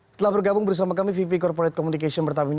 setelah bergabung bersama kami vp corporate communication pertamina